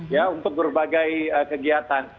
ya untuk berbagai kegiatan